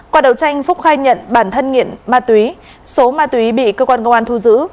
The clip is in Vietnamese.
qua đầu tranh phúc khai nhận bản thân nghiện ma túy số ma túy bị cơ quan công an thu giữ